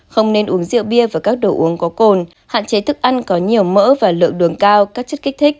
không nên uống rượu bia và các đồ uống có cồn hạn chế thức ăn có nhiều mỡ và lượng đường cao các chất kích thích